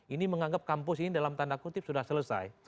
ini menganggap kampus ini dalam tanda kutip sudah selesai